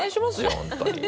本当に。